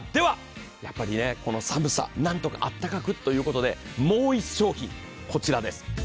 この寒さ、何とかあったかくということで、もう１商品、こちらです。